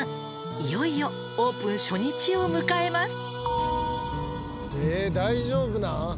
「いよいよオープン初日を迎えます」